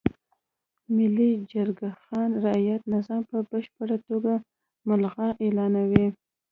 ملي جرګه خان رعیت نظام په بشپړه توګه ملغا اعلانوي.